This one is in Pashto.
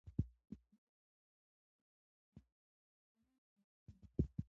د مېلو له لاري خلک یو بل ته خوشحالي وربخښي.